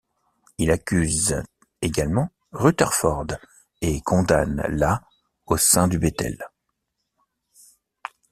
Il accuse également Rutherford et condamne la au sein du Béthel.